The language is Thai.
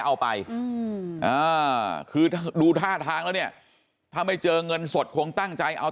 เอาไปคือดูท่าทางแล้วเนี่ยถ้าไม่เจอเงินสดคงตั้งใจเอา